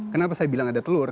kenapa saya bilang ada telur